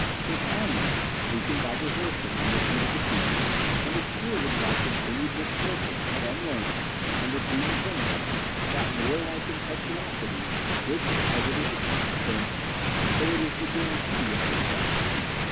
His armies, weakened by desertion and repeated defeat, and dispirited by continued misfortunes had unlearnt, under beaten generals, that warlike impetuosity which, as it is the consequence, so it is the guarantee of success.